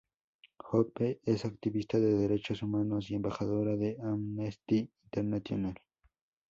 Hope es activista de derechos humanos y embajadora de Amnesty International.